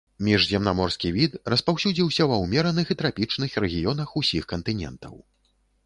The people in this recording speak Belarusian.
Міжземнаморскі від, распаўсюдзіўся ва ўмераных і трапічных рэгіёнах ўсіх кантынентаў.